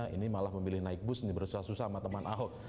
ini malah memilih naik bus ini berusaha susah sama teman ahok